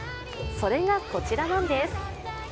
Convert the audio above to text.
それがこちらなんです。